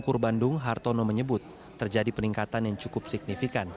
kur bandung hartono menyebut terjadi peningkatan yang cukup signifikan